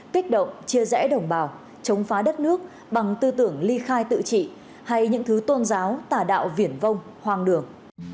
kích động chia rẽ đồng bào chống phá đất nước bằng tư tưởng ly khai tự trị hay những thứ tôn giáo tà đạo viển vong hoang đường